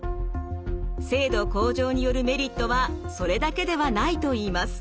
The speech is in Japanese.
精度向上によるメリットはそれだけではないといいます。